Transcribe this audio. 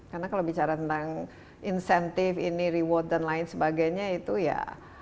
karena kalau bicara tentang insentif ini reward dan lain sebagainya itu ya